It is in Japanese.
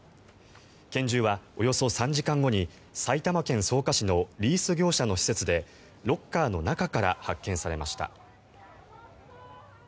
拳銃はおよそ３時間後に埼玉県草加市のリース業者の施設でロッカーの中から発見されました。